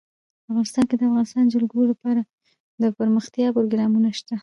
افغانستان کې د د افغانستان جلکو لپاره دپرمختیا پروګرامونه شته.